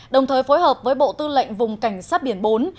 đồng thời phối hợp với bộ tư lệnh vùng cảnh sát biển bốn